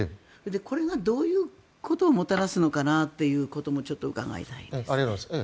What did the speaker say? これがどういうことをもたらすのかなということもちょっと伺いたいです。